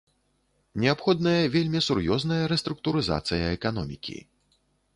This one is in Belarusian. Неабходная вельмі сур'ёзная рэструктурызацыя эканомікі.